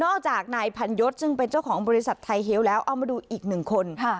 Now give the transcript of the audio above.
จากนายพันยศซึ่งเป็นเจ้าของบริษัทไทยเฮียวแล้วเอามาดูอีกหนึ่งคน